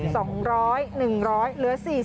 เอื้อฮือ๒๐๐๑๐๐เหลือ๔๐